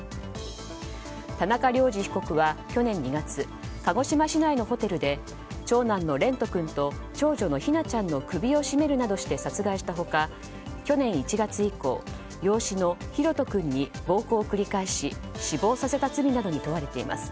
田中涼二被告は去年２月鹿児島市内のホテルで長男の蓮翔君と長女の姫奈ちゃんの首を絞めるなどして殺害した他去年１月以降、養子の大翔君に暴行を繰り返し死亡させた罪などに問われています。